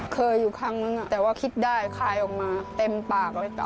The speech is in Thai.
เคยอยู่ครั้งนึงแต่ว่าคิดได้คลายออกมาเต็มปาก